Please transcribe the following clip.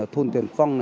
thôn tiền phong